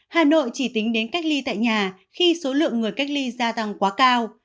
hà nội chỉ tính đến cách ly tại nhà khi số lượng người cách ly gia tăng quá cao